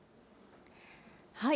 はい。